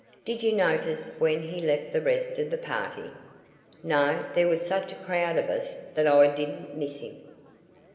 Did you notice when he left the rest of the party?" "No, there was such a crowd of us that I didn't miss him."